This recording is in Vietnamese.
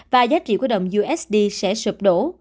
và giá trị của đồng usd sẽ sụp đổ